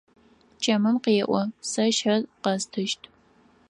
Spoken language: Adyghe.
Чэмым къеӏо: Сэ щэ къэстыщт.